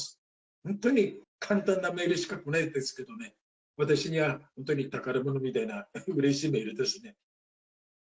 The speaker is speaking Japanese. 本当に簡単なメールしか来ないんですけどね、私には本当に宝物みたいな、うれしいメールですね。